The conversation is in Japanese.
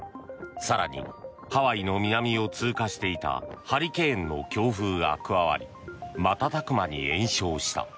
更に、ハワイの南を通過していたハリケーンの強風が加わり瞬く間に延焼した。